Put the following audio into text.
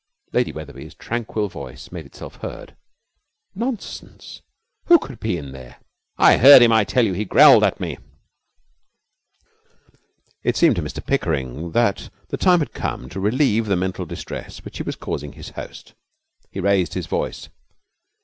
Lady Wetherby's tranquil voice made itself heard. 'Nonsense; who could be in there?' 'I heard him, I tell you. He growled at me!' It seemed to Mr Pickering that the time had come to relieve the mental distress which he was causing his host. He raised his voice.